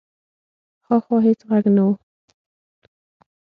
هاخوا هېڅ غږ نه و.